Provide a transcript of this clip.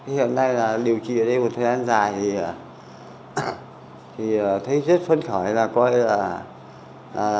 hiện nay là điều trị ở đây một thời gian dài thì thấy rất phân khỏi là coi là